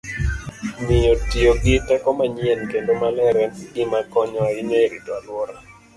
Omiyo, tiyo gi teko manyien kendo maler en gima konyo ahinya e rito alwora.